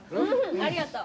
ありがとう。